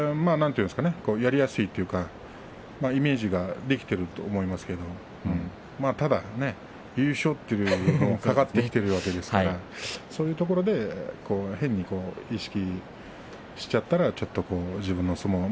やりやすいというかイメージができていると思いますけれどただ優勝が懸かってきていますからそういうところで変に意識しちゃったら自分の相撲が。